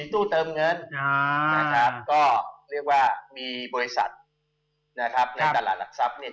ก็เรียกว่ามีบริษัทในตลาดหลักทรัพย์เนี่ย